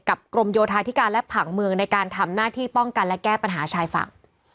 กรมโยธาธิการและผังเมืองในการทำหน้าที่ป้องกันและแก้ปัญหาชายฝั่ง